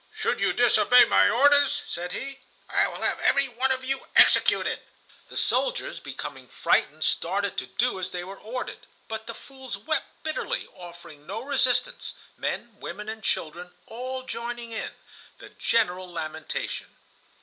"Should you disobey my orders," said he, "I will have every one of you executed." The soldiers, becoming frightened, started to do as they were ordered, but the fools wept bitterly, offering no resistance, men, women, and children all joining in the general lamentation.